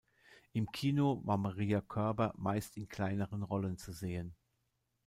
Im Kino war Maria Körber meist in kleineren Rollen zu sehen.